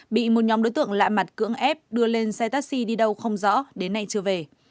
bị một nhóm đối tượng lạ mặt cưỡng ép đưa lên xe taxi đi đâu không rõ đến nay chưa về